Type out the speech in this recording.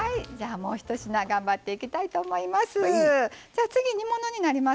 もうひと品頑張っていきたいと思います。